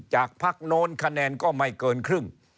จากพักโน้นคะแนนก็ไม่เกินครึ่ง